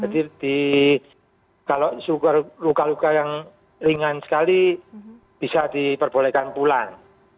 jadi kalau luka luka yang ringan sekali bisa diperbolehkan pulang